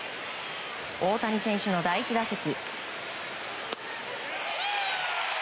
大谷選手の第１打席。